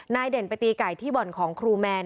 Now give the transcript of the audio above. เด่นไปตีไก่ที่บ่อนของครูแมน